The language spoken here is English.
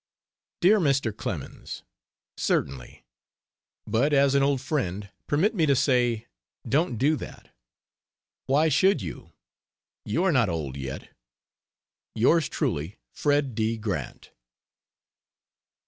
DEAR MR. CLEMENS, Certainly. But as an old friend, permit me to say, Don't do that. Why should you? you are not old yet. Yours truly, FRED D. GRANT.